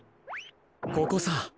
ここさ。